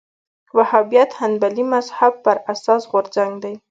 وهابیت حنبلي مذهب پر اساس غورځنګ دی